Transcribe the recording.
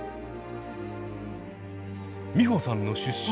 美穂さんの出身。